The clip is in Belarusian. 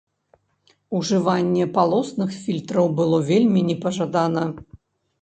Ужыванне палосных фільтраў было вельмі непажадана.